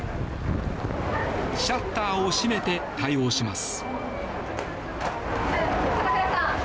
シャッターを閉めて対応します。